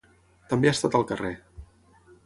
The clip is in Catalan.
També ha estat al carrer.